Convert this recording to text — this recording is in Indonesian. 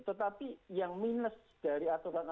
tetapi yang minus dari aturan aturan itu yang belum ada